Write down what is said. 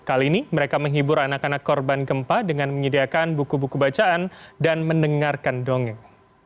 kali ini mereka menghibur anak anak korban gempa dengan menyediakan buku buku bacaan dan mendengarkan dongeng